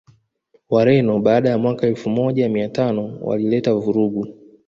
Wareno baada ya mwaka Elfu moja miatano wailileta vurugu